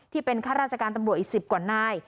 ที่เป็นข้าราชการตำรวจอีก๑๐กว่านาย